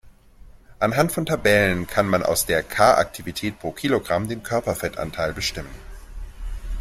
Anhand von Tabellen kann man aus der K-Aktivität pro kg den Körperfettanteil bestimmen.